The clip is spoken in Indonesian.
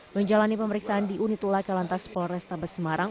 menjalani pemeriksaan di unitulah ke lantas polrestabes semarang